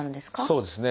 そうですね。